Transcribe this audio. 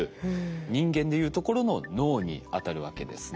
人間でいうところの脳にあたるわけですね。